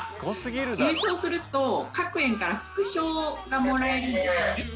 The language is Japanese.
優勝すると各園から副賞がもらえる。